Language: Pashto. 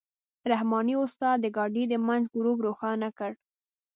رحماني استاد د ګاډۍ د منځ ګروپ روښانه کړ.